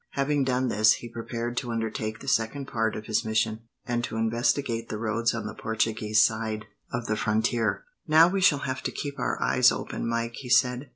Having done this, he prepared to undertake the second part of his mission, and to investigate the roads on the Portuguese side of the frontier. "Now we shall have to keep our eyes open, Mike," he said.